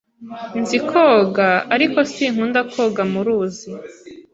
Nzi koga, ariko sinkunda koga muruzi.